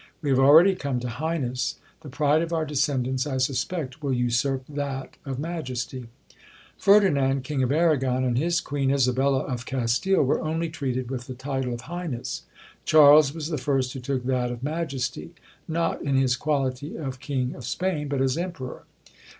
We have already come to highness. The pride of our descendants, I suspect, will usurp that of majesty. Ferdinand, king of Aragon, and his queen Isabella of Castile, were only treated with the title of highness. Charles was the first who took that of majesty: not in his quality of king of Spain, but as emperor.